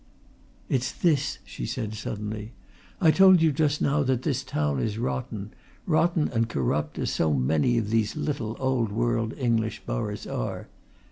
"It's this!" she said suddenly. "I told you just now that this town is rotten rotten and corrupt, as so many of these little old world English boroughs are!